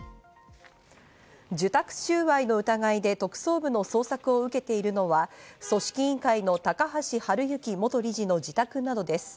受託収賄の疑いで特捜部の捜索を受けているのは、組織委員会の高橋治之元理事の自宅などです。